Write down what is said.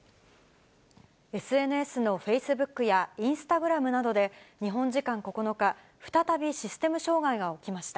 ＳＮＳのフェイスブックやインスタグラムなどで、日本時間９日、再びシステム障害が起きました。